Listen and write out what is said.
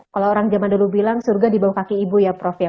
kalau orang zaman dulu bilang surga di bawah kaki ibu ya prof ya